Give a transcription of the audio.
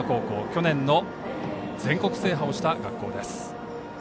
去年の全国制覇をした学校です。